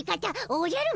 おじゃる。